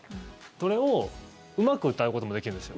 それを、うまく歌うこともできるんですよ。